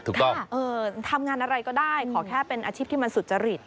ถูกต้องเอ่อทำงานอะไรก็ได้ขอแค่เป็นอาชีพที่มันสุจริต